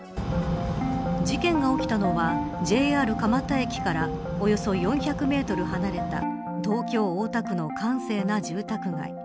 事件が起きたのはＪＲ蒲田駅からおよそ４００メートル離れた東京、大田区の閑静な住宅街。